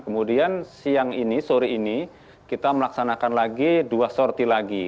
kemudian siang ini sore ini kita melaksanakan lagi dua sorti lagi